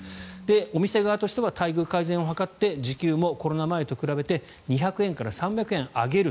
お店側としては待遇改善を図って時給もコロナ前と比べて２００円から３００円上げる。